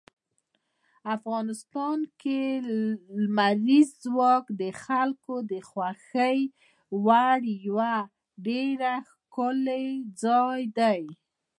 افغانستان کې لمریز ځواک د خلکو د خوښې وړ یو ډېر ښکلی ځای دی.